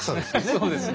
そうですね。